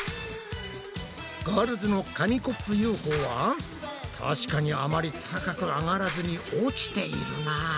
ガールズの紙コップＵＦＯは確かにあまり高く上がらずに落ちているな。